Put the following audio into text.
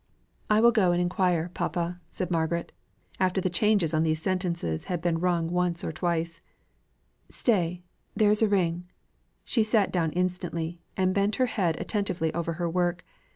"I will go and inquire, papa," said Margaret, after the changes on these sentences had been rung once or twice, "Stay, there's a ring!" She sat down instantly, and bent her head attentively over her work.